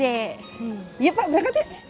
iya pak berangkat ya